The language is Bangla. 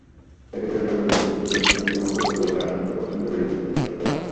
এতে করে জীববৈচিত্র্য হুমকির মুখে পড়বে বলে আশঙ্কা করছেন পরিবেশ বিশেষজ্ঞরা।